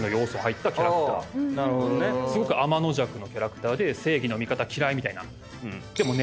すごくあまのじゃくなキャラクターで正義の味方嫌い！みたいな。